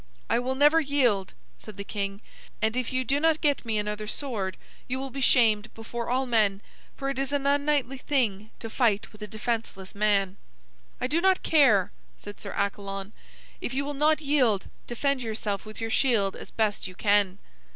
"I will never yield," said the king, "and if you do not get me another sword, you will be shamed before all men, for it is an unknightly thing to fight with a defenseless man." "I do not care," said Sir Accalon. "If you will not yield, defend yourself with your shield as best you can."